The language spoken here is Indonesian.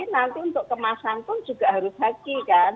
nanti untuk kemasan pun juga harus haki kan